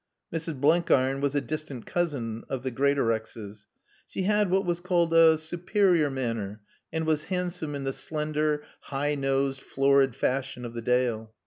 Mrs. Blenkiron was a distant cousin of the Greatorexes. She had what was called a superior manner and was handsome, in the slender, high nosed, florid fashion of the Dale.